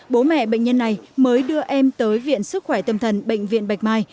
bố mẹ bệnh nhân này mới đưa em tới viện sức khỏe tâm thần bệnh viện bạch mai